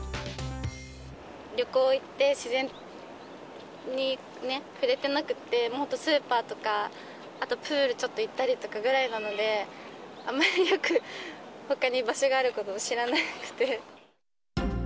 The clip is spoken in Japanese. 旅行行って、自然に触れてなくって、もう本当スーパーとか、あとプールちょっと行ったりとかぐらいなので、あまりよく、ほかに場所があることを知らなくて。